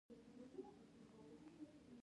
چې څېړنو ته منتظر شم، که د خلاصون یوه لار.